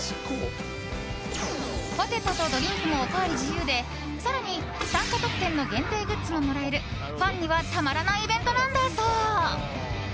ポテトとドリンクもおかわり自由で更に、参加特典の限定グッズももらえるファンにはたまらないイベントなんだそう。